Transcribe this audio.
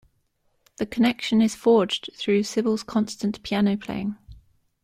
The connection is forged through Sybelle's constant piano playing.